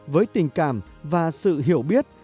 với tình cảm và sự hiểu biết